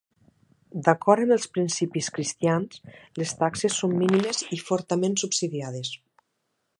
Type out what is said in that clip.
D'acord amb els principis cristians, les taxes són mínimes i fortament subsidiades.